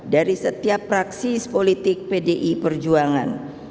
dari setiap praksis politik pdi perjuangan